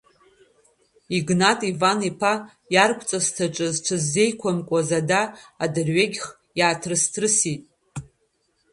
Игнат Иван-иԥа иаргәҵысҭаҿы зҽыззеиқәымкуаз ада адырҩагьх иааҭрысҭрысит.